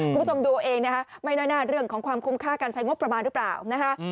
คุณผู้ชมดูเอาเองนะคะไม่แน่เรื่องของความคุ้มค่าการใช้งบประมาณหรือเปล่านะคะ